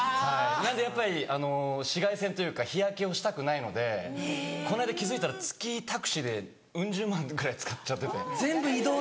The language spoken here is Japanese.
なんでやっぱり紫外線というか日焼けをしたくないのでこの間気付いたら月タクシーでウン十万ぐらい使っちゃってて。